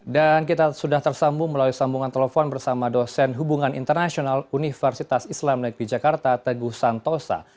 dan kita sudah tersambung melalui sambungan telepon bersama dosen hubungan internasional universitas islam negeri jakarta teguh santosa